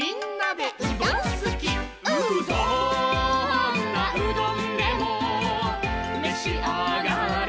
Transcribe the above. どんなうどんでもめしあがれ」